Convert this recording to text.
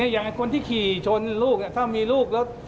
อย่างคนที่ขี่ชนลูกถ้ามีลูกแล้ว